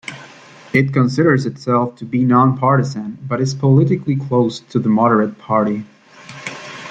It considers itself to be non-partisan, but is politically close to the Moderate Party.